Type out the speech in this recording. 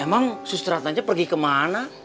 emang susteratnanya pergi kemana